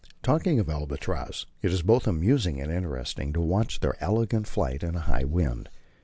Talking of albatrosses, it is both amusing and interesting to watch their elegant flight in a high wind.